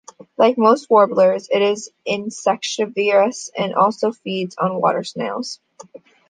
Like most warblers, it is insectivorous and also feeds on water snails.